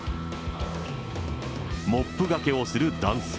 モップがけをする男性。